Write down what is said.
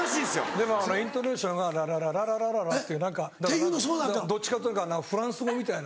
でもイントネーションは「ララララララララ」っていう何かどっちかっていうとフランス語みたいな。